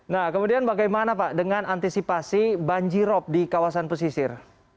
nah kemudian bagaimana pak dengan antisipasi banjirop di kawasan pesisir